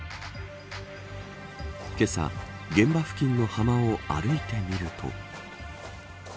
けさ、現場付近の浜を歩いてみると。